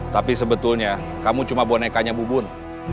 tapi sebetulnya kamu cuma bonekanya bubun